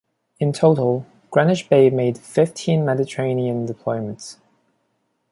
In total "Greenwich Bay" made fifteen Mediterranean deployments.